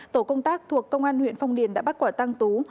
tổ công tác thuộc công an huyện phong điền đã bắt quả tăng tú